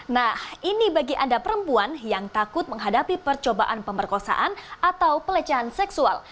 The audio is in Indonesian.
nah ini bagi anda perempuan yang takut menghadapi percobaan pemerkosaan atau pelecehan seksual